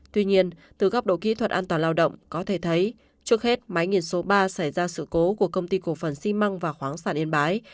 tuy nhiên từ góc độ kỹ thuật an toàn lao động có thể thấy trước hết máy nghiền số ba xảy ra sự cố của công ty cổ phần xi măng và khoáng sản yên bái